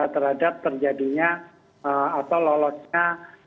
terhadap terjadinya atau lolosnya